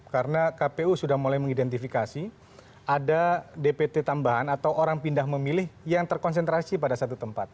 karena kpu sudah mulai mengidentifikasi ada dpt tambahan atau orang pindah memilih yang terkonsentrasi pada satu tempat